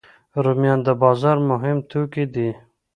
رومیان د بازار مهم توکي دي